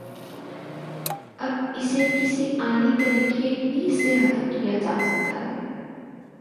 اب اسے کسی آئینی طریقے ہی سے ختم کیا جا سکتا ہے۔